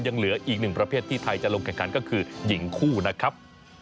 ยังเหลืออีกหนึ่งประเภทที่ไทยจะลงแข่งขันก็คือหญิงคู่นะครับ